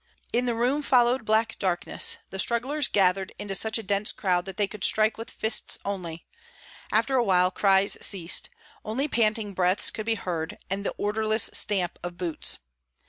In the room followed black darkness; the strugglers gathered into such a dense crowd that they could strike with fists only; after a while cries ceased; only panting breaths could be heard, and the orderless stamp of boots.